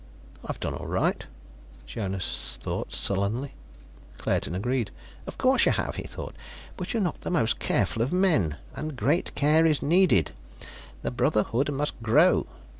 "I've done all right," Jonas thought sullenly. Claerten agreed. "Of course you have," he thought, "but you're not the most careful of men; and great care is needed. The Brotherhood must grow.